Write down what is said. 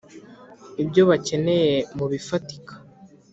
ibyo bakeneye mu bifatika